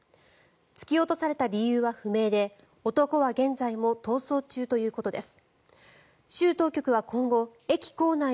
突き落とされた理由は不明で男は現在も逃走中ということです。